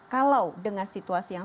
kalau dengan situasi yang